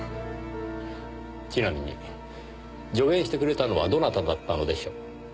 ちなみに助言してくれたのはどなただったのでしょう？